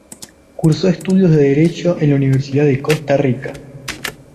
Cursó estudios de Derecho en la Universidad de Costa Rica.